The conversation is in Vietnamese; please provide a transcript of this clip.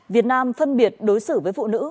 việt nam phân biệt đối xử với phụ nữ